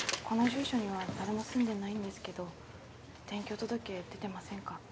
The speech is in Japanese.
この住所には誰も住んでないんですけど転居届出てませんか？